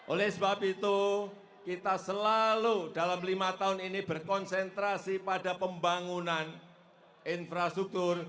oleh sebab itu kita selalu dalam lima tahun ini berkonsentrasi pada pembangunan infrastruktur